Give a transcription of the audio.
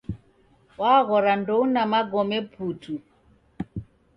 Waghora ndouna magome putu